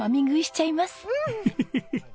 うん！